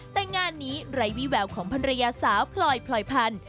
แต่งานนี้ไร้วิแววของภรรยาสาวพลอยพลอยพันธุ์